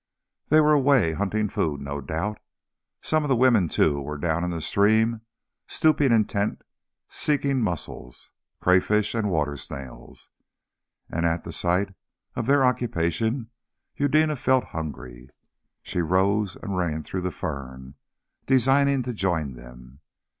They were away hunting food, no doubt. Some of the women, too, were down in the stream, stooping intent, seeking mussels, crayfish, and water snails, and at the sight of their occupation Eudena felt hungry. She rose, and ran through the fern, designing to join them.